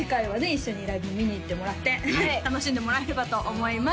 一緒にライブ見に行ってもらって楽しんでもらえればと思います